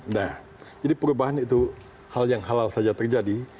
nah jadi perubahan itu hal yang halal saja terjadi